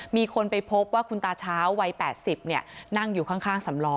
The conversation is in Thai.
มีคนไปพบว่าคุณตาเช้าวัย๘๐นั่งอยู่ข้างสำล้อ